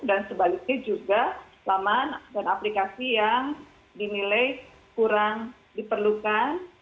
dan sebaliknya juga laman dan aplikasi yang dinilai kurang diperlukan